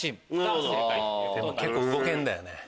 でも結構動けるんだよね。